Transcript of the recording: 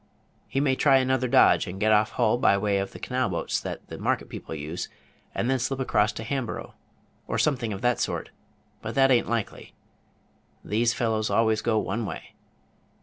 He may try another dodge, and get off Hull way by the canal boats that the market people use, and then slip across to Hamborough, or something of that sort; but that a'n't likely these fellows always go one way.